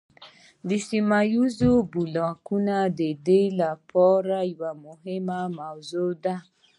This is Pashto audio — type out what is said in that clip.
سیمه ایز بلاکونه د دوی لپاره یوه مهمه موضوع ده